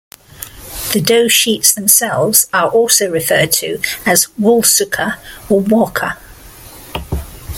The dough sheets themselves, are also referred to as walsouka or warka.